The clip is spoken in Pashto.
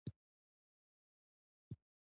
د بلخ د سبزې ښارګوټي د یوناني باختر پلازمېنه وه